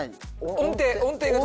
音程。